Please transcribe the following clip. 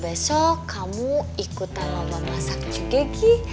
besok kamu ikutan laman masak juga gi